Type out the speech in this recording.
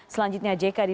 selanjutnya jk didampingi